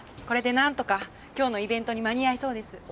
これでなんとか今日のイベントに間に合いそうです。